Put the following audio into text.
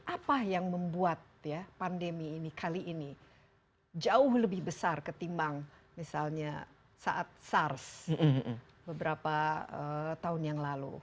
apa yang membuat pandemi ini kali ini jauh lebih besar ketimbang misalnya saat sars beberapa tahun yang lalu